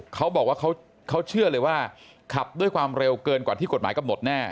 เขาบอกว่าเขาเชื่อเลยว่าขับด้วยความเร็วเกินกว่าที่กฎหมายกำหนดแน่